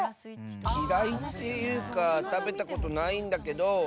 嫌いっていうか食べたことないんだけど。